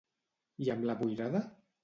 I amb la boirada?